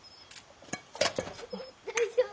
大丈夫？